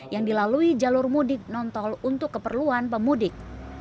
yang dilalui jalur mudik non tol untuk keperluan pemudik